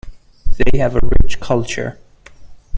They have a rich culture.